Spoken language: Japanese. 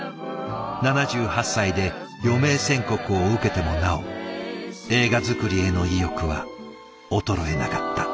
７８歳で余命宣告を受けてもなお映画作りへの意欲は衰えなかった。